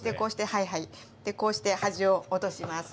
でこうして端を落とします。